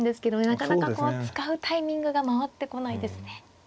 なかなかこう使うタイミングが回ってこないですね。